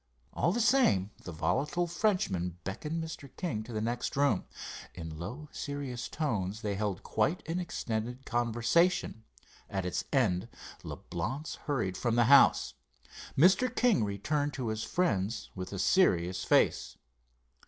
All the same the volatile Frenchman beckoned Mr. King to the next room. In low, serious tones they held quite an extended conversation. At its end Leblance hurried from the house. Mr. King returned to his friends with a serious face.